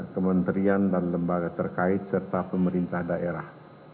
kementerian dan lembaga terkait serta pemerintah daerah